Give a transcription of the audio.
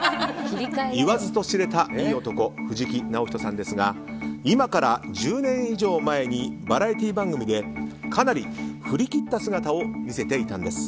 言わずと知れたいい男藤木直人さんですが今から１０年以上前にバラエティー番組でかなり振り切った姿を見せていたんです。